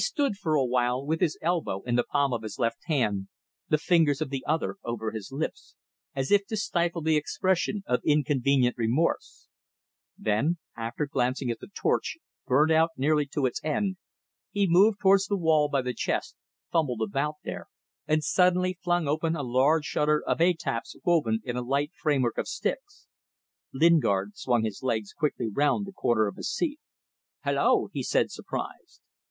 Hai!" He stood for awhile with his elbow in the palm of his left hand, the fingers of the other over his lips as if to stifle the expression of inconvenient remorse; then, after glancing at the torch, burnt out nearly to its end, he moved towards the wall by the chest, fumbled about there and suddenly flung open a large shutter of attaps woven in a light framework of sticks. Lingard swung his legs quickly round the corner of his seat. "Hallo!" he said, surprised.